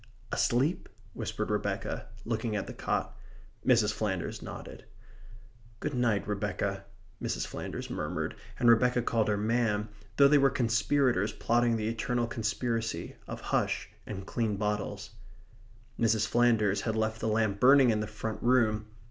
"Asleep?" whispered Rebecca, looking at the cot. Mrs. Flanders nodded. "Good night, Rebecca," Mrs. Flanders murmured, and Rebecca called her ma'm, though they were conspirators plotting the eternal conspiracy of hush and clean bottles. Mrs. Flanders had left the lamp burning in the front room.